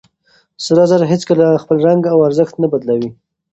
سره زر هيڅکله خپل رنګ او ارزښت نه بدلوي.